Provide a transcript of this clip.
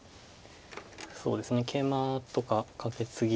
そうですねケイマとかカケツギ。